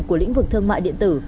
của lĩnh vực thương mại điện tử